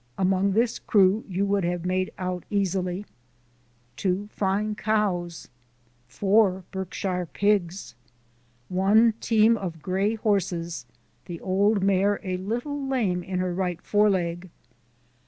Among this crew you would have made out easily: Two fine cows. Four Berkshire pigs. One team of gray horses, the old mare a little lame in her right foreleg.